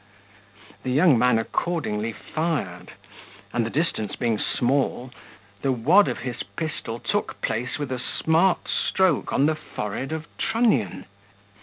The young man accordingly fired; and the distance being small, the wad of his pistol took place with a smart stroke on the forehead of Trunnion.